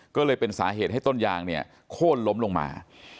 ก็เลยเป็นสาเหตุให้ต้นยางเนี่ยโค้นล้มลงมา